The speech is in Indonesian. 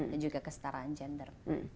dan juga kestaraan gender